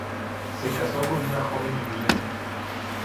Se casó con una joven inglesa.